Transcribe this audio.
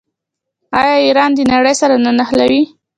آیا ایران د نړۍ سره نه نښلوي؟